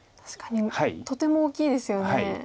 確かにとても大きいですよね。